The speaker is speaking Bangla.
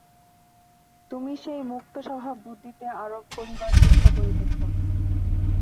তুমি সেই মুক্ত স্বভাব বুদ্ধিতে আরোপ করিবার চেষ্টা করিতেছ।